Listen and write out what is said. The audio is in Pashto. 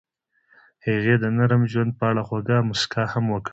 هغې د نرم ژوند په اړه خوږه موسکا هم وکړه.